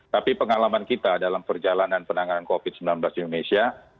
tapi pengalaman kita dalam perjalanan penanganan covid sembilan belas di indonesia